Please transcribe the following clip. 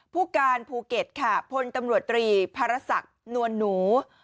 ผู้การภูเก็ตค่ะพลตำรวจตรีภารศักดิ์นวลหนู